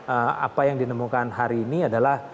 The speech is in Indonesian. ee apa yang dinemukan hari ini adalah